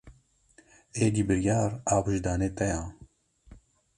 Êdî biryar a wijdanê te ye.